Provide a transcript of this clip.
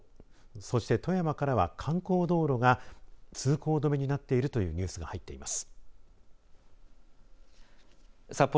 そして富山からは観光道路が通行止めになっているというニュースが入っています。